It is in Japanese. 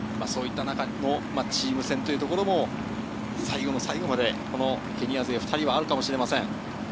チーム戦というところも最後の最後までケニア勢２人はあるかもしれません。